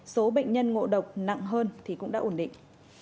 số bệnh nhân ngộ độc nặng hơn thì cũng đã ổn định